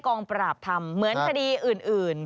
กองปราบทำเหมือนคดีอื่น